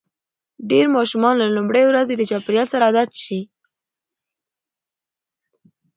ډېری ماشومان له لومړۍ ورځې د چاپېریال سره عادت شي.